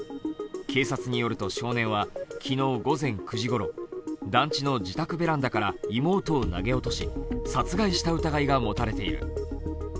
警察によると少年は、昨日午前９時ごろ、団地の自宅ベランダから妹を投げ落とし、殺害した疑いが持たれている。